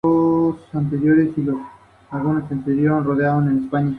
La portada fue revelada a los pocos días.